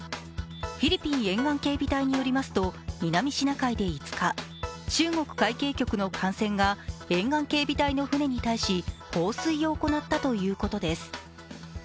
フィリピン沿岸警備隊によりますと南シナ海で５日中国海警局の艦船が沿岸警備隊の船に対し、放水を行ったということです。